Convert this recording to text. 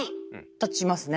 立ちますね。